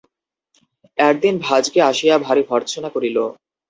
একদিন ভাজকে আসিয়া ভারি ভর্ৎসনা করিল।